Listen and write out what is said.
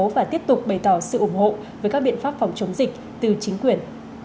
và tiếp tục bày tỏ sự ủng hộ với các biện pháp phòng chống dịch từ chính quyền